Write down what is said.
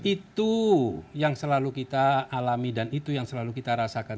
itu yang selalu kita alami dan itu yang selalu kita rasakan